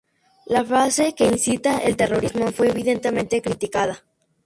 La frase que incita al terrorismo fue evidentemente criticada.